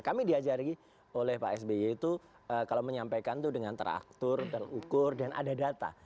kami diajari oleh pak sby itu kalau menyampaikan itu dengan teraktur terukur dan ada data